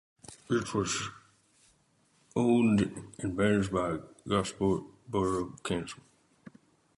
It is owned and managed by Gosport Borough Council.